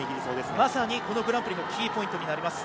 まさにこのグランプリのキーポイントとなります。